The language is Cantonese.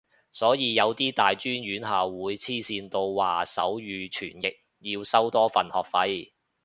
所以有啲大專院校會黐線到話手語傳譯要收多份學費